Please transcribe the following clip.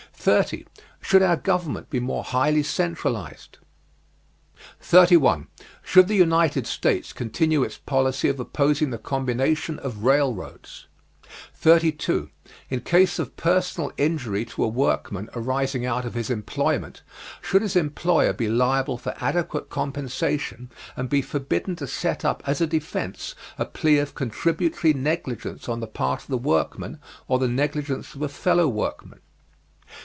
30. Should our government be more highly centralized? 31. Should the United States continue its policy of opposing the combination of railroads? 32. In case of personal injury to a workman arising out of his employment, should his employer be liable for adequate compensation and be forbidden to set up as a defence a plea of contributory negligence on the part of the workman, or the negligence of a fellow workman?